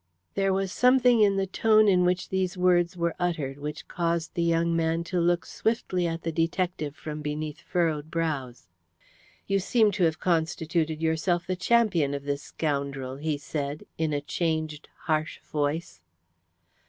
There was something in the tone in which these words were uttered which caused the young man to look swiftly at the detective from beneath furrowed brows. "You seem to have constituted yourself the champion of this scoundrel," he said, in a changed harsh voice.